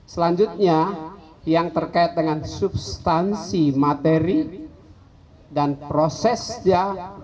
selanjutnya yang terkait dengan substansi materi dan prosesnya